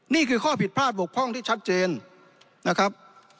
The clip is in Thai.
นี่คือข้อผิดพลาดบกพร่องที่ชัดเจนนะครับ